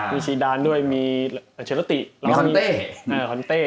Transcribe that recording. มีอันเชียรติมีคอนเต้